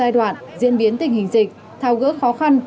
giai đoạn diễn biến tình hình dịch thao gỡ khó khăn